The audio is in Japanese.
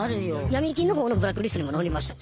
ヤミ金の方のブラックリストにも載りました。